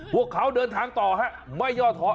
พวกเขาเดินทางต่อฮะไม่ย่อท้อ